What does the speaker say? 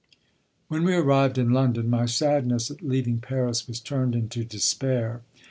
When we arrived in London, my sadness at leaving Paris was turned into despair.